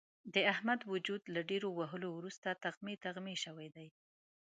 د احمد وجود له ډېرو وهلو ورسته تغمې تغمې شوی دی.